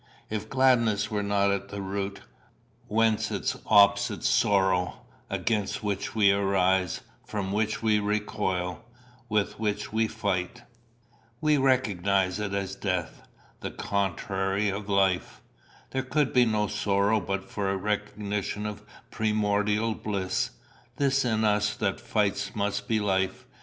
If gladness were not at the root, whence its opposite sorrow, against which we arise, from which we recoil, with which we fight? We recognise it as death the contrary of life. There could be no sorrow but for a recognition of primordial bliss. This in us that fights must be life.